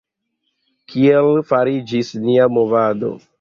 Kiel fariĝis nia movado?